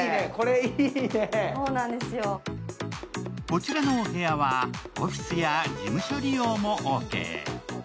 こちらのお部屋はオフィスや事務所利用もオーケー。